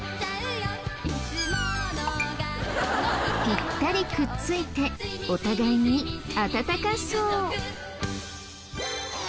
ピッタリくっついてお互いに温かそう。